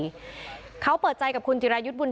ในอำเภอศรีมหาโพธิ์จังหวัดปลาจีนบุรี